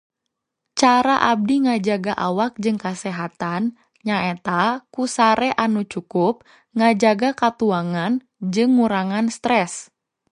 Cara abdi ngajaga awak jeung kasehatan nyaeta ku sare anu cukup, ngajaga katuangan, jeung ngurangan stres.